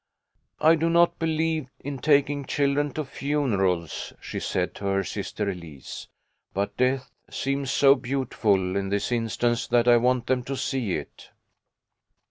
"I do not believe in taking children to funerals," she said to her sister Elise, " but death seems so beautiful in this instance that I want them to see it."